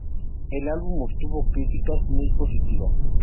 El álbum obtuvo críticas muy positivas.